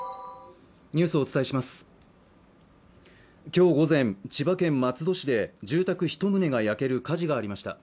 今日午前、千葉県松戸市で住宅１棟が焼ける火事がありました。